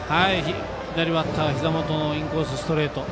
左バッターひざ元のインコース、ストレート。